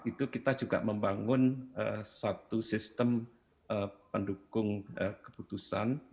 itu kita juga membangun satu sistem pendukung keputusan